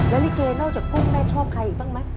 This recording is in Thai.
แล้วลิเกย์นอกจากพวกแม่ชอบใครอีกบ้างมั้ย